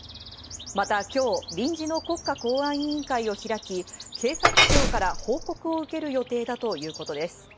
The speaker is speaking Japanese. また今日臨時の国家公安委員会を開き、警察庁から報告を受ける予定だということです。